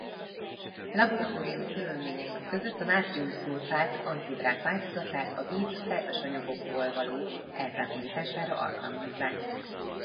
Laboratóriumi körülmények között a nátrium-szulfát anhidrát változatát a víz szerves anyagokból való eltávolítására alkalmazzák.